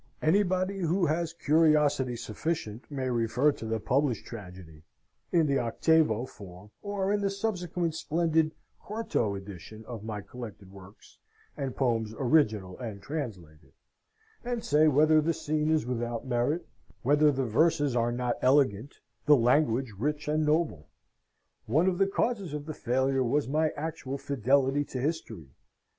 Anybody who has curiosity sufficient, may refer to the published tragedy (in the octavo form, or in the subsequent splendid quarto edition of my Collected Works, and Poems Original and Translated), and say whether the scene is without merit, whether the verses are not elegant, the language rich and noble? One of the causes of the failure was my actual fidelity to history.